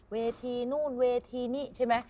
เวทีนู่นเวทีนี่ใช่ไหม